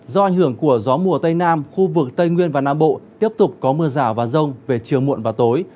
do ảnh hưởng của gió mùa tây nam khu vực tây nguyên và nam bộ tiếp tục có mưa rào và rông về chiều muộn và tối